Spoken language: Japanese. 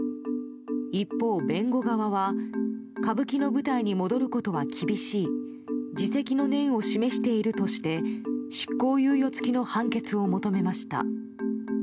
一方、弁護側は歌舞伎の舞台に戻ることは厳しい自責の念を示しているとして執行猶予付きの判決を求めました。